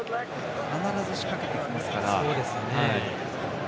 必ず仕掛けてきますから。